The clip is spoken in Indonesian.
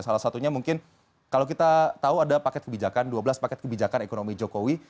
salah satunya mungkin kalau kita tahu ada paket kebijakan dua belas paket kebijakan ekonomi jokowi